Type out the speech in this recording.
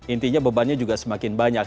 intinya bebannya juga semakin banyak